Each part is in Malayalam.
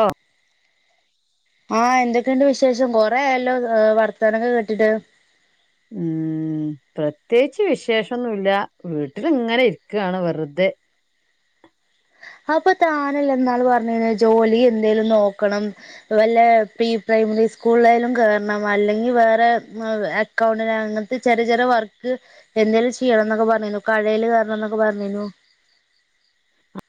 ഓ ആഹ് എന്തൊക്കെയുണ്ട് വിശേഷം കൊറെ ആയല്ലോ വർത്താനൊക്കെ കേട്ടിട്ട് ഉം പ്രത്യേകിച്ച് വിശേഷം ഒന്നുവില്ല വീട്ടിലിങ്ങനെ ഇരിക്കാണ് വെറുതെ അപ്പൊ താനല്ലെ ഇന്നാള് പർഞ്ഞീനെ ജോലി എന്തേലും നോക്കണം വല്ലോ പ്രീ പ്രൈമറി സ്കൂളിലായാലും കേറണം അല്ലെങ്കിൽ വേറെ മ് അ അക്കൗണ്ടന്റ് അങ്ങനത്തെ ചെറിയ ചെറിയ വർക്ക് എന്തേലും ചെയ്യണം എന്നൊക്കെ പറഞ്ഞീനു കടയില് കേറണം എന്നൊക്കെ പർഞ്ഞീന്നു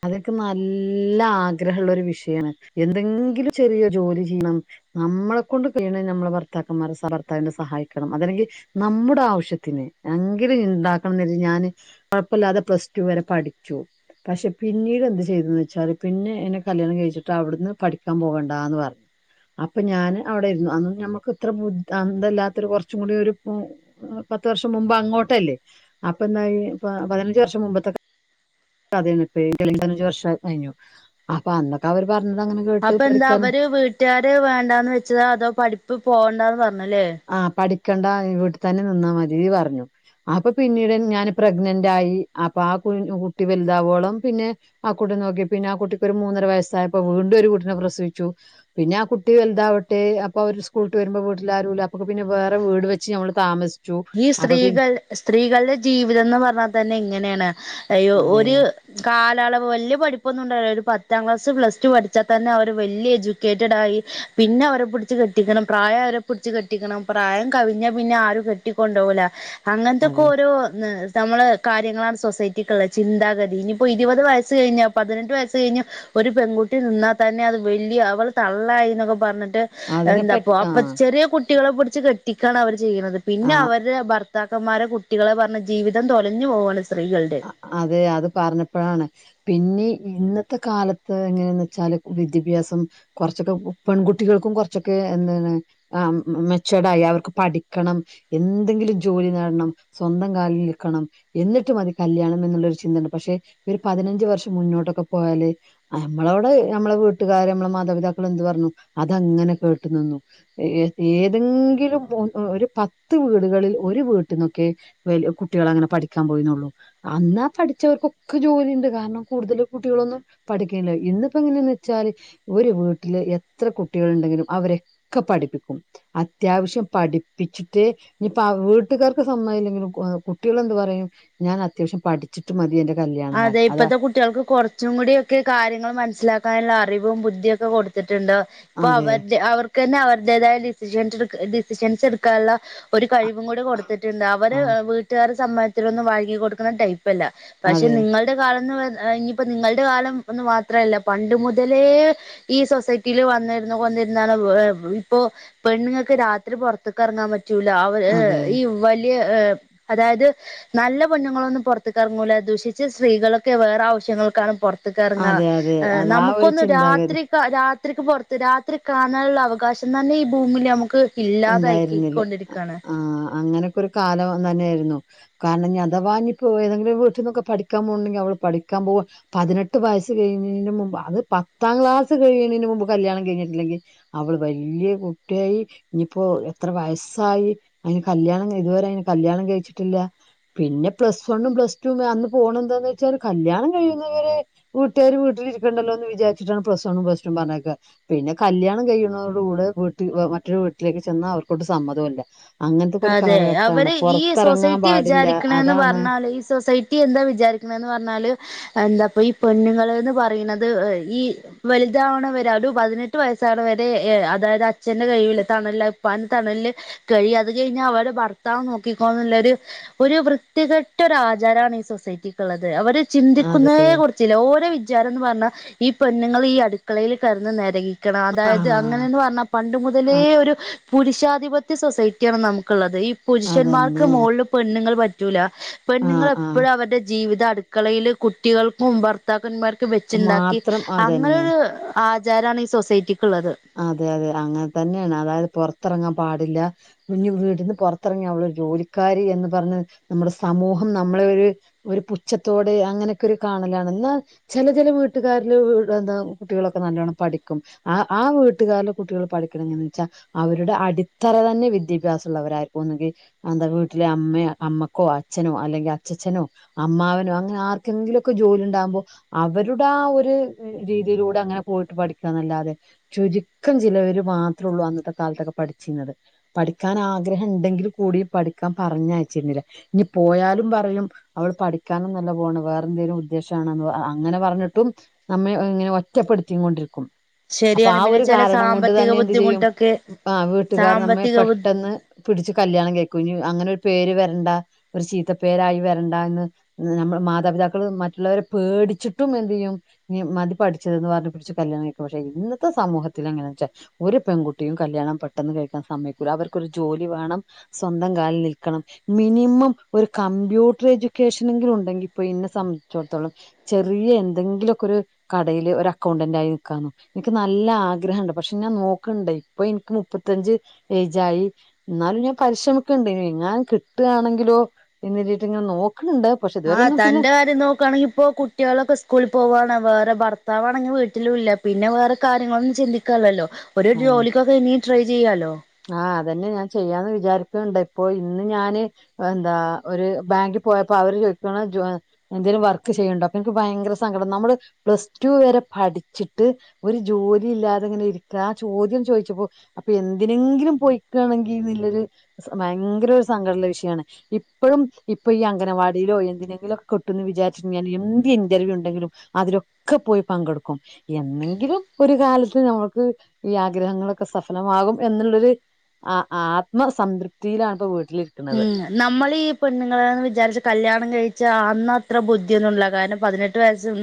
അതൊക്കെ നല്ല ആഗ്രഹം ഉള്ളൊരു വിഷയാണ് എന്തെങ്കിലും ചെറിയ ജോലി ചെയ്യണം നമ്മളെ കൊണ്ട് കഴിയണ നമ്മള് ഭർത്താക്കന്മാരെ ഭർത്താവിനെ സഹായിക്കണം അതല്ലെങ്കിൽ ന്നമ്മുടെ ആവശ്യത്തിന് എങ്കിലും ഇണ്ടാക്കണം എന്ന് കരുതി ഞാന് കൊഴപ്പവില്ലാതെ പ്ലസ് ടു വരെ പഠിച്ചു പക്ഷെ പിന്നീട് എന്ത് ചെയ്തൂന്ന് വെച്ചാൽ പിന്നെ എന്നെ കല്യാണം കഴിച്ചിട്ട് അവിടുന്ന് പഠിക്കാൻ പോകണ്ടാന്ന് പറഞ്ഞു അപ്പൊ ഞാന് അവിടെ ഇരുന്നു അന്ന് ഞമ്മക്ക് ഇത്ര ബു അന്തവില്ലാത്തൊരു കൊറച്ചും കൂടി ഒരു പോ പത്ത് വർഷം മുമ്പ് അങ്ങോട്ടല്ലേ അപ്പ എന്തായി പതിനഞ്ച് വർഷം മുമ്പത്തെ കഥയാണ് ഇപ്പ പതിനഞ്ച് വർഷം കഴിഞ്ഞു അപ്പൊ അന്നൊക്കെ അവര് പറഞ്ഞത് അങ്ങനെ കേട്ട് അപ്പൊ എന്താ പഠിക്കാൻ അവര് വീട്ടുകാര് വേണ്ടാന്ന് വെച്ചതാ അതോ പഠിപ്പ് പോവണ്ടാന്ന് പറഞ്ഞു അല്ലേ ആഹ് പഠിക്കണ്ടാ വീട്ടിൽ തന്നെ നിന്നാ മതി പറഞ്ഞു അപ്പൊ പിന്നീട് ഞാൻ പ്രഗ്നന്റ് ആയി അപ്പൊ ആ കു കുട്ടി വലുതാവോളം പിന്നെ ആഹ് കുട്ടീനെ നോക്കി പിന്നെ ആ കുട്ടിക്ക് ഒരു മൂന്നര വയസ്സായപ്പോ വീണ്ടും ഒരു കുട്ടീനെ പ്രസവിച്ചു പിന്നെ ആ കുട്ടി വലുതാവട്ടെ അപ്പൊ അവര് സ്കൂള് വിട്ട് വരുമ്പോ വീട്ടില് ആരുവില്ല അപ്പ പിന്നെ വേറെ വീട് വെച്ച് നമ്മൾ താമസി ഈ സ്ത്രീകൾ സ്ത്രീകളുടെ ജീവിതം എന്ന് പറഞ്ഞാൽ തന്നെ ഇങ്ങനെയാണ് അയ്യൊ അതെ ഒരു കാലളവ് വല്യ പഠിപ്പൊന്നും ഉണ്ടാവില്ല ഒരു പത്താം ക്ലാസ് പ്ലസ് ടു പഠിച്ചാൽ തന്നെ അവര് വല്യ എജു ക്കേറ്റടായി പിന്നെ അവരെ പിടിച്ച് കെട്ടിക്കണം പ്രായം ആയാ അവരെ പിടിച്ച് കെട്ടിക്കണം പ്രായം കവിഞ്ഞാ പിന്നെ ആരും കെ ട്ടി കൊണ്ടുപോവൂല അങ്ങനത്തൊക്കെ അതെ ഓരോ നി നമ്മള് കാര്യങ്ങളാണ് സൊസൈറ്റിക്ക്ള്ളത് ചിന്താഗതി ഇനിയിപ്പോൾ ഇരുപത് വയസ്സ് കഴിഞ്ഞാൽ പതിനെട്ട് വയസ്സ് കഴിഞ്ഞാൽ ഒരു പെൺകുട്ടി നിന്നാൽ തന്നെ അത് വല്ല്യ അവള് തള്ളായിന്നൊക്കെ പറഞ്ഞിട്ട് അതിനെ എന്താപ്പൊ പറ്റി ആ അപ്പൊ ചെറിയ കുട്ടികളെ പിടിച്ച് കെട്ടിക്കാണ് അവര് ചെയ്യ്ണത് ആ പിന്നെ അവർ പിന്നെ ഭർത്താക്കന്മാരെ കുട്ടികളെ പറഞ്ഞ് ജീവിതം തൊലഞ്ഞു പോവാണ് സ്ത്രീകൾടെ അ- അതെ അത് പറഞ്ഞപ്പഴാണ് പിന്നി ഇന്നത്തെ കാലത്ത് എങ്ങനെന്ന് വെച്ചാല് കു വിദ്യാഭ്യാസം കൊറച്ചൊക്കെ പെൺകുട്ടികൾക്കും കൊറച്ചൊക്കെ എന്താണ് ആഹ് മെച്ചൂടായി അവർക്ക് പഠിക്കണം എന്തെങ്കിലും ജോലി നേടണം സ്വന്തം കാലിൽ നിൽക്കണം എന്നിട്ട് മതി കല്യാണം ന്ന്ന്നുള്ളൊരു ചിന്തണ്ട് പക്ഷെ ഒരു പതിനഞ്ച് വർഷം മുന്നോട്ടൊക്കെ പോയാല് അമ്മളോട് നമ്മളെ വീട്ടുകാര് നമ്മളെ മാതാപിതാക്കള് എന്ത് പറഞ്ഞു അതങ്ങനെ കേട്ടു നിന്നു എ ഏ ഏതെങ്കിലും ഒ ഒ ഒരു പത്ത് വീടുകളിൽ ഒരു വീട്ടിന്നൊക്കെ വെല്യ കുട്ടികൾ അങ്ങനെ പഠിക്കാൻ പോയിനുള്ളു അന്നാ പഠിച്ചവർക്കൊക്കെ ജോലിണ്ട് കാരണം കൂടുതൽ കുട്ടികളൊന്നും പഠിക്കയില്ല ഇന്നിപ്പോ എങ്ങനെയെന്ന് വെച്ചാല് ഒരു വീട്ടില് എത്ര കുട്ടികൾണ്ടെങ്കിലും അവരൊക്കെ പഠിപ്പിക്കും അത്യാവശ്യം പഠിപ്പിച്ചിട്ട് ഇനിപ്പ അവ വീട്ടുകാർക്ക് സമ്മതല്ലെങ്കിലും ഏ കുട്ടികളെന്ത് പറയും ഞാൻ അത്യാവശ്യം പഠി ച്ചിട്ട് മതി എന്റെ കല്യാ അതെ ഇപ്പത്തെ കു കുട്ടിയേൾക്ക് കൊറച്ചും കൂടി ഒക്കെ കാര്യങ്ങള് മനസ്സിലാക്കാനുള്ള അറിവും ബുദ്ധിയും ഒക്കെ കൊടുത്തിട്ടുണ്ട് ഇപ്പൊ അതെ അവരുടെ അവർക്ക് തന്നെ അവരുടേതായ ഡിസിഷൻസ് എടു ഡിസിഷൻസ് എടുക്കാൻള്ള ഒരു കഴിവും കൂടി കൊടുത്തിട്ടുണ്ട് ആ അവര് വീട്ടുകാർ സമ്മതത്തിനൊന്നും വഴങ്ങി കൊടുക്കണ ടൈപ്പല്ല പക്ഷെ അതെ നിങ്ങളുടെ കാലംന്ന് ഏ ഇനിയിപ്പോ നിങ്ങളുടെ കാലം എന്ന് മാത്രല്ല പണ്ട് മുതലേ ഈ സൊസൈറ്റിയില് വന്നിരുന്നു കൊന്നിരുന്നാണ് ഇപ്പോ പെണ്ണുങ്ങൾക്ക് രാത്രി പൊറത്ത്ക്ക് എറങ്ങാൻ പറ്റൂല അവര് അതെ ഈ വലിയ ഏഹ് അതായത് നല്ല പെണ്ണുങ്ങളൊന്നും പൊറത്ത്ക്കെറങ്ങൂല ദുഷിച്ച് സ്ത്രീകളൊക്കെ വേറെ ആവശ്യങ്ങൾക്കാണ് പൊറത്ത്ക്കെറങ്ങ അതെ അതെ ഏഹ് അത് ആ ഒരു നമുക്കൊന്ന് ചിന്താഗതി രാത്രി ക്ക രാത്രിക്ക് പൊറത്ത് രാത്രി കാണാനുള്ള അവകാശം തന്നെ ഈ ഭൂമി ല് നമുക്ക് ഉണ്ടായിരുന്നില്ല ഇല്ലാതായിക്കൊണ്ടിരിക്കുകയാണ് ആഹ് അങ്ങനൊക്കെ ഒരു കാലം തന്നെയായിരുന്നു കാരണം ഞ്ഞ് അതവാഞ്ഞിപ്പൊ ഏതെങ്കിലും ഒര് വീട്ടിന്നൊക്കെ പഠിക്കാൻ പോവ്ണ്ടെങ്കി അവള് പഠിക്കാൻ പോവാ പതിനെട്ട് വയസ്സ് കഴിഞ്ഞതിന്റെ മുമ്പ് അത് പത്താം ക്ലാസ് കഴിയ്ണീന്റെ മുമ്പ് കല്യാണം കഴിഞ്ഞിട്ടില്ലെങ്കി അവള് വല്ല്യ കുട്ടിയായി ഇഞ്ഞിപ്പോ എത്ര വയസ്സായി അയിന് കല്യാണം ഇതുവരെ അയിന് കല്യാണം കഴിച്ചിട്ടില്ല പിന്നെ പ്ലസ് വണ്ണും പ്ലസ് ടും അന്ന് പോണെന്താന്ന് വെച്ചാല് കല്യാണം കഴിയുന്നവരെ കൂട്ടുകാര് വീട്ടിരിക്കണ്ടല്ലോന്ന് വിചാരിച്ചിട്ടാണ് പ്ലസ് വണ്ണും പ്ലസ്ടുവും പറഞ്ഞേക്കെ പിന്നെ കല്യാണം കഴിയുന്നതോട് കൂടെ വീട്ടിൽ വെ മറ്റൊരു വീട്ടിലേക്ക് ചെന്നാ അവർക്കൊട്ട് സമ്മതു അല്ല അതെ അവര് ഈ സൊസൈറ്റി പാടില്ല വിചാരിക്കണെന്ന് അതാണ് പറഞ്ഞാല് ഈ സൊസൈ റ്റി എന്താ വിചാരിക്കണെന്ന് പറഞ്ഞാല് എന്താപ്പ ഈ പെണ്ണുങ്ങള്ന്ന് പറീണത് എ ഈ വലുതാവണെ വരെ ഒരു പതിനെട്ട് വയസ്സാണ് വരെ എ അതായത് അച്ഛന്റെ കയ്യില് തണൽല് അത് ഇപ്പാന്റെ തണൽല് കഴിയ അത് കഴിഞ്ഞാൽ അവരെ ഭർത്താവ് നോക്കിക്കോൾന്നുള്ളെരു ഒരു വൃത്തി കെ ട്ടെരു ആചാരാണ് ഈ സൊസൈറ്റിക്ക്ള്ളത് അവര് അതെ ചിന്തിക്കുന്നതേ കുറി ചില ഓര് വിചാരംന്ന് പറഞ്ഞാ ഈ പെണ്ണ്ങ്ങളീ അടുക്കളയില് കെടന്ന് നെരകി ക്കണം ആ അതായത് അങ്ങനെയെന്ന് പറഞ്ഞാൽ പണ്ട് മുതലേ ഒരു പുരുഷാധിപത്യ സൊസൈ ക്ക്യാണ് നമുക്കുള്ളത് ഈ പുരുഷന്മാർക്ക് അതന്നെ മോളില് പെണ്ണുങ്ങൾ പറ്റൂല ആ പെണ്ങ്ങൾ ആ എപ്പോഴും അവരുടെ ജീവിത അടുക്കളയില് കുട്ടികൾക്ക് ഭർ ഭർത്താക്കന്മാർക്ക് വെച്ചുണ്ടാക്കി മാത്രം അതന്നെ അങ്ങനെയൊരു ആചാരമാണ് ഈ സൊസൈറ്റിക്ക് ഉള്ളത് അതെ അതെ അങ്ങനെ തന്നെയാണ് അതായത് പുറത്തിറങ്ങാൻ പാടില്ല ഇഞ് വീട്ടന്ന് പുറത്തിറങ്ങി അവളരു ജോലിക്കാരി എന്ന് പറഞ്ഞ നമ്മുടെ സമൂഹം നമ്മളെ ഒരു ഒരു പുച്ഛത്തോടെ അങ്ങനെയൊക്കെ ഒരു കാണലാണ് എന്നാ ചില ചില വീട്ടുകാരില് എന്താ കുട്ടികളൊക്കെ നല്ലോണ്ണം പഠിക്കും ആ ആ വീട്ടുകാൽ കുട്ടികൾ പഠിക്കണന്ന് വെച്ചാൽ അവരുടെ അടിത്തറ തന്നെ വിദ്യാഭ്യാസം ഉള്ളവരായിരിക്കുംന്നെങ്കിൽ എന്താ വീട്ടിലെ അമ്മ അമ്മക്കോ അച്ഛനോ അല്ലെങ്കിൽ അച്ചച്ചനോ അമ്മാവനോ അങ്ങനെ ആർക്കെങ്കിലുമക്കെ ജോലി ഉണ്ടാകുമ്പോ അവരുടെ ആ ഒരു രീതിയിലൂടെ അങ്ങനെ പോയിട്ട് പഠിക്കുകന്നല്ലാതെ ചുരുക്കം ചിലവർ മാത്രേള്ളൂ അന്നത്തെ കാലത്തൊക്കെ പഠിച്ചിരുന്നത് പഠിക്കാൻ ആഗ്രഹം ഉണ്ടെങ്കിലിൽ കൂടി പഠിക്കാൻ പറഞ്ഞയച്ചിരുന്നില്ല ഇനി പോയാലും പറയും അവള് പഠിക്കാനും നല്ല പോണ് വേറെ എന്തേങ്കിലും ഉദ്ദേശണ അങ്ങനെ പറഞ്ഞിട്ടും നമ്മെ ഇങ്ങനെ ഒറ്റപ്പെടുത്തി കൊണ്ടിരിക്കും അപ്പൊ ശരിയാണ് ആ പിന്നെ ഒരു ചില കാരണം കൊണ്ട് സാമ്പത്തിക തന്നെ എന്ത് ചെയ്യും ബുദ്ധിമുട്ടൊക്കെ വീട്ടുകർ നമ്മെ സാമ്പത്തിക ബു പെട്ടെന്ന് പിടിച്ചു കല്യാണം കഴിക്കും ഇനി അങ്ങനെ ഒരു പേര് വരണ്ട ഒരു ചീത്ത പേരായി വരണ്ട എന്ന് നമ്മൾ മാതാപിതാക്കൾ മറ്റുള്ളവരെ പേടിച്ചിട്ടും എന്ത് ചെയ്യും മതി പഠിച്ചത എെന്ന് പറഞ്ഞ് പിടിച്ചു കല്യാണം കഴിക്കും പക്ഷെ ഇന്നത്തെ സമൂഹത്തിൽങ്ങനാ വെച്ചാ ഒരു പെൺകുട്ടിയും കല്യാണം പെട്ടെന്ന് കഴിക്കാൻ സമയക്കില്ല അവർക്കൊരു ജോലി വേണം സ്വന്തം കാലിൽ നിൽക്കണം മിനിമം ഒരു കമ്പ്യൂട്ടർ എഡ്യൂക്കേഷന എങ്കിലും ഉണ്ടെങ്കിൽ ഇപ്പൊ ഇന്നേ സംബന്ധിച്ചിടത്തോളം ചെറിയ എന്തെങ്കിലുമൊക്കെ ഒരു കടെൽ ഒരു അക്കൗണ്ടന്റ് ആയി നൽക്കാന്നോ എനിക്ക് നല്ല ആഗ്രഹംണ്ട് പക്ഷെ ഞാൻ നോക്കണ്ട ഇപ്പൊ എനിക്ക് മുപ്പത്തഞ്ച് ഏജായി എന്നാലും ഞാൻ പരിശ്രമിക്കണ്ട് ഇ എങ്ങാൻ കിട്ടുകയാണെങ്കിലോ എന്നിരിട്ട് ഇങ്ങെ നോക്കണണ്ട് പക്ഷെ ഇതുവരെ ആഹ് ഒന്നും പിന്നെ തന്റെ കാര്യം നോക്കുകയാണെങ്കിൽ ഇപ്പൊ കുട്ടികളൊക്കെ സ്കൂളിൽ പോവാണ് വേറെ ഭർത്താവ്ണെങ്കിൽ വീട്ടില ഇല്ല പിന്നെ വേറെ കാര്യങ്ങളൊന്നും ചിന്തിക്കല്ലല്ലോ ഒരു ജോലിക്കൊക്കെ ഇനിയും ട്രൈ ചെയ്യാലോ ആഹ അതന്നെ ഞാൻ ചെയ്യാന്ന് വിചാരിക്കണ്ട ഇപ്പൊ ഇന്ന് ഞാന് എന്താ ഒരു ബാങ്കിൽ പോയപ്പോ അവര് ചോദിക്കണ എന്തേലും വർക്ക് ചെയ്യുന്നുണ്ടോ അപ്പൊ എനിക്ക് ഭയങ്കര സങ്കടം നമ്മള് പ്ലസ് ടു വരെ പഠിച്ചിട്ട് ഒരു ജോലി ഇല്ലാതെ ഇങ്ങനെ ഇരിക്ക ആ ചോദ്യം ചോദിച്ചപ്പോ അപ്പൊ എന്ത് ഇതിനെങ്കിലും പോയിയ്ക്കുകയാണെങ്കിൽ നല്ലൊരു ഭയങ്കര ഒരു സങ്കടള്ള വിഷയമാണ് ഇപ്പോഴും ഇപ്പൊ ഈ അംഗനവാടിയിലോ എന്തിനെങ്കിലൊക്കെ കിട്ട എന്ന് വിചാരിച്ചി ഞ്ഞാ എന്ത് ഇന്റർവ്യൂ ഉണ്ടെങ്കിലും അതിലൊക്കെ പോയി പങ്കെടുക്കും എന്നെങ്കിലും ഒരു കാലത്ത് നമ്മൾക്ക് ഈ ആഗ്രഹങ്ങളൊക്കെ സഫലമാകും എന്നുള്ളരു ആത്മസംതൃപ്തിയിലാണ്പ്പോ വീട് ഉം നമ്മളീ പെണ്ണുങ്ങളൾന്ന് വിചാരിച്ച കല്യാണം കഴിച്ചാൽ അന്ന അത്ര ബുദ്ധിയൊന്നും ഇല്ല കാരണം പതിനെട്ട്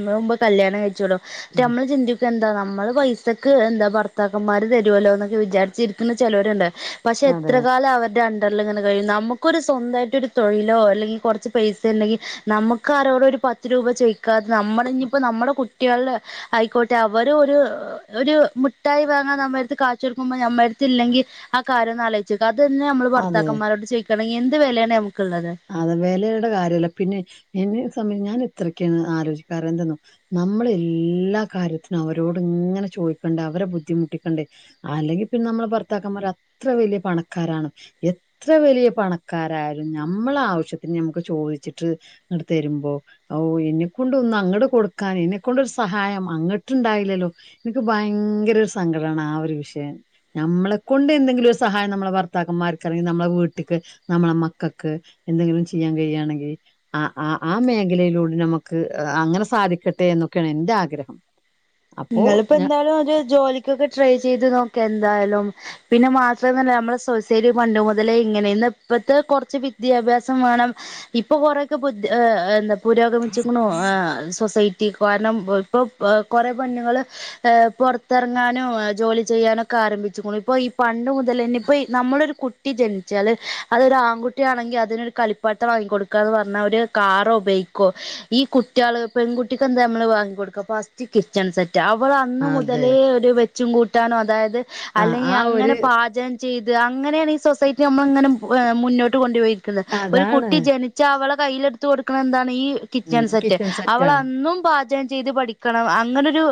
മുമ്പ് കല്യാണം കഴിച്ചോളോ നമ്മള് ചിന്തി എന്താ നമ്മള് പൈസക്ക് എന്താ ഭർത്താക്കന്മാര് തരുവല്ലോ എന്നൊക്കെ വിചാരിച്ചിരിക്കുന്ന ചിലവരുണ്ട് പക്ഷെ അതെ എത്ര കാലം അവരുടെ അണ്ടറിൽ ഇങ്ങനെ നമുക്കൊരു സ്വന്തമായിട്ടൊ ഒരു തൊഴിലോ അല്ലെങ്കിൽ കുറച്ച് പൈസ അല്ലെങ്കിൽ നമുക്കരോടും ഒരു പത്ത് രൂപ ചോയി ത് നമ്മുടെ ഇനിയിപ്പ നമ്മുടെ കുട്ടികളുടെ ആയിക്കോട്ടെ അവര് ഒരു ഒരു മുട്ടായി വാങ്ങാൻ നമ്മ അടുത്ത് കാച്ചെടുക്കുമ്പോൾ നമ്മുടെ അടുത്ത് ഇല്ലെങ്കിൽ ആ കാര്യൊന്നാലോയ്ച്ചോക്ക അതെന്നെ അമ്മള് ഭർത്താക്കന്മാരോട് ചോയ്ക്കാണെങ്കി എന്ത് വെലെണ് നമക്ക്ള്ളത് അത് വെലയുടെ കാര്യല്ല പിന്നെ എന്നെ സംബന് [unintelligible] ഞാനത്രെക്കൊന്നും ആലോചിക്കാറ് എന്തെന്നോ? നമ്മെളെല്ലാ കാര്യത്തിനും അവരോട് ങ്ങനെ ചോയിക്കണ്ടേ അവരെ ബുദ്ധിമുട്ടിക്കണ്ടേ. അല്ലെങ്കി പിന്നെ അമ്മെളെ ഭർത്താക്കമാര് അത്ര വെല്ല്യ പണക്കാരാണം. എ ത്ര വെലിയ പണക്കാരായാലും ഞമ്മെളെ ആവശ്യത്തിന് നമ്മക്ക് ചോയ്ച്ചിട്ട് ഇങ്ങട്ട് തെരുമ്പോ. ഔ എന്നെക്കൊണ്ടൊന്നു അങ്ങട്ട് കൊടുക്കാന് എന്നെ കൊണ്ടൊരു സഹായം അങ്ങട്ട്ണ്ടായാല്ലല്ലോ ഇൻക്ക് ഭയങ്കരൊരു സങ്കടാണ് ആ ഒരു വിഷയം. നമ്മെളെ കൊണ്ടെന്തെങ്കിലും ഒരു സഹായം നമ്മെളെ ഭർത്താക്കന്മാർക്ക് അല്ലെങ്കി നമ്മളെ വീട്ട്ക്ക് നമ്മളെ മ ക്കക്ക് എന്തെങ്കിലും ചെയ്യാൻ കഴിയാണെങ്കി ആ ആ ആ മൈൻഡിലൊനമ്മക്ക് അങ്ങനെ സാധിക്കട്ടെ എന്നൊക്കെണ് ഇൻ്റാഗ്രഹം. നിങ്ങളിപ്പോ എന്താലും ഒരു ജോലിക്കൊക്കെ ട്രൈ ചെയ്ത് നോക്കെന്തായാലും. പിന്നെ മാത്രവുമല്ല അമ്മെളെ സൊസൈറ്റി പണ്ട് മൊതലേ ഇങ്ങനെ ന്നപ്പത്തെ കൊർച്ച് വിദ്യാഭ്യാസം വേണം. ഇപ്പ കൊറെക്കെ ബുദ്ധി ഏഹ് എന്താ പുരോഗമിച്ചിക്കുണു ആഹ് സൊസൈറ്റി കാരണം ഓൽക്കൊ ഏഹ് കൊറെ പെണ്ണ്ങ്ങള് ഏഹ് പൊർത്തെറങ്ങാനും ജോലി ചെയ്യാനൊക്കെ ആരംഭിച്ചിക്കുണു. ഇപ്പൊ ഈ പണ്ട് മുതലെന്നെ ഇപ്പോ യീ നമ്മളൊരു കു ട്ടി ജനിച്ചാല് അതൊരാൺകുട്ടിയാണെങ്കി അതിനൊരു കളിപ്പാട്ടം വാങ്ങി കൊടുക്കാന്ന് പർഞ്ഞാ ഒരു കാറോ ബൈ ക്കോ ഈ കുട്ട്യാള് പെൺകുട്ടിക്കെന്താ അമ്മള് വാങ്ങി കൊട്ക്ക ഫസ്റ്റ് കി ച്ചൺ സെറ്റ് അവളന്ന് അതെ മുതലേ ഒരു വെച്ചും കൂട്ടാനും അതായത് ആ അല്ലെങ്കി ആ ഒരു അങ്ങനെ പാചകം ചെയ്ത് അങ്ങനെണ് ഈ സൊസൈറ്റി നമ്മള്ങ്ങനെ എഹ് മുന്നോട്ട് കൊണ്ട്പോയി ക്ക്ണ്. ഒരു അതാണ് കുട്ടി ജനിച്ചാ അവളെ കയ്യിലെട്ത്ത് കൊട്ക്ക്ണെ എന്താണ്‌ ഈ കിച്ചൺ ഉം സെറ്റ്. സെറ്റാണ് അവളന്നും പാചകം ചെയ്ത് പഠിക്ക്ണ് അ അങ്ങനൊരു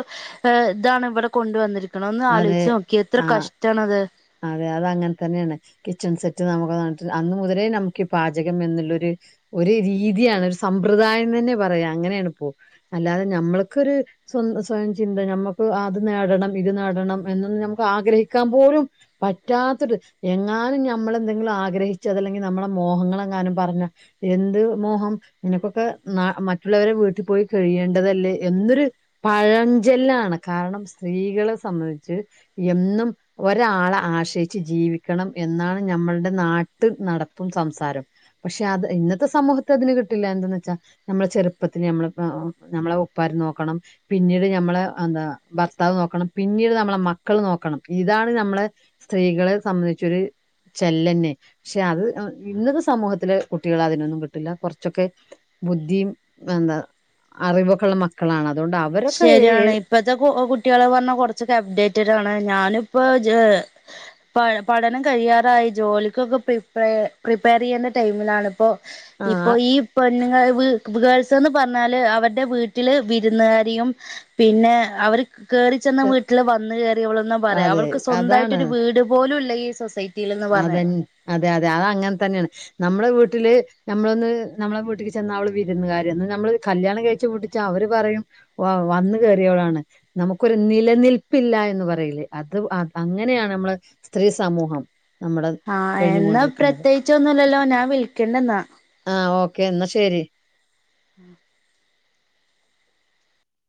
എഹ് താണ് ഇവടെ കൊണ്ട് വന്നിരിക്ക്ണെ ഒന്നാലോയ്ച്ചോക്ക്യേ എത്ര കഷ്ടാണത്. ഉവ്വ അതങ്ങൻ തെന്നെണ്. കിച്ചൺ സെറ്റ് അമ്മള് വാങ്ങിക്കും അന്ന് മുതലേ നമക്കീ പാചകം എന്ന്ള്ളൊരു. ഒരു രീത്യാണ്. ഒരു സമ്പ്രദായം തെന്നെ പറയാ. അങ്ങനെണ്പ്പത് അല്ലാതെ നമ്മൾക്കൊരു സ്വന്ത സ്വയം ചിന്ത നമ്മക്ക് അത് നേടണം ഇത് നേട ടണം എന്നൊന്ന് നമക്കാഗ്രഹിക്കാൻ പോലും പറ്റാത്തൊരു എങ്ങാനും ഞമ്മളെന്തെങ്കിലും ആഗ്രഹിച്ചൽ അതല്ലെങ്കി നമ്മളെ മോഹങ്ങളെങ്ങാനും പർഞ്ഞാ. എന്ത് മോഹം. നിനക്കൊക്കെ ന മറ്റുള്ളവരെ വീട്ടി പോയി കഴിയേണ്ടതല്ലേ എന്നൊരു പഴഞ്ചൊല്ലാണ് കാരണം സ്ത്രീകളെ സംബന്ധിച്ച് എന്നും ഒരാളെ ആശ്രയിച്ച് ജീവിക്കണം എന്നാണ് ഞമ്മൾടെ നാട്ട് നടപ്പും സംസാരും പക്ഷെ അത് ഇന്നത്തെ സമൂഹത്ത് അതിന് കിട്ടില്ല എന്തെന്നച്ചാ. നമ്മളെ ചെറ്പ്പത്തില് അമ്മക്കാ [unintelligible] നമ്മളെ ഉപ്പാരേ നോക്കണം. പിന്നീട് ഞമ്മളെ എന്താ ഭർത്താവ് നോക്കണം. പിന്നീട് ഞമ്മളെ മക്കള് നോക്കണം ഇതാണ് ഞമ്മളെ സ്ത്രീകളെ സംബന്ധിച്ചൊര് ചൊല്ലെന്നെ. പക്ഷെ അത് ഇൻ ഇന്നത്തെ സമൂഹത്തില് കുട്ടികളെ അതിനൊന്നും കിട്ടൂല്ല കൊർച്ചൊക്കെ ബുദ്ധിം എന്താ അറിവൊക്കള്ള മക്കളാണ് അതോണ്ട് അവരൊക്ക് ശരിയാണ് ഏഹ് ഇപ്പത്തെ കു കുട്ട്യേളെ പർഞ്ഞാ കൊർച്ചൊക്കെ അപ്ഡേറ്റഡാണ് ഞാനിപ്പോ ജെ പ പഠനം കഴിയാറായി. ജോലിക്കൊക്കെ പ്രിപേ പ്രിപ്പേറെയ്യുന്ന ടൈമിലാണിപ്പോ. ആ ഇപ്പോ ഈ പെണ്ണുങ്ങള് വീട്ടില് [unintelligible] പർഞ്ഞാല് അവരുടെ വീട്ടില് വിരുന്നുകാ രേയും പിന്നെ അവര് കേറി ചെന്ന വീട്ടില് വന്ന് കേറിയവളെന്ന പറയാ അതെ അവൾക്ക് അതാണ് സ്വന്തായിട്ടൊരു വീട് പോലുല്ല ഈ സൊസൈ അതെൻ അതെയതെ അതങ്ങൻ തെന്നെണ്. നമ്മളെ വീട്ടില്. നമ്മളൊന്ന് നമ്മളെ വീട്ടിക്ക് ചെന്നാ അവള് വിരുന്നുക്കാരെന്ന് നമ്മെള് കല്യാണം കഴിച്ചു വിട്ടിച്ചാ അവെര് പറയും വ വന്നു കേറിയവളാണ് നമുക്കൊരു നിലനിൽപ്പില്ലാ എന്ന് പറയിലേ അത് അ അങ്ങനെയാണ് നമ്മളെ സ്ത്രീ സമൂഹം നമ്മുടെ ആഹ് എന്ന കഴിഞ്ഞുകൊണ്ടിരിക്കുന്നത്. പ്രത്യേകിച്ചൊന്നുല്ലല്ലോ ഞാൻ വിളിക്കണ്ട് ന്നാ ആഹ് ഓക്കേ ന്നാ ശെരി